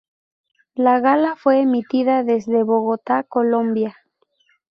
La gala fue emitida desde Bogotá, Colombia.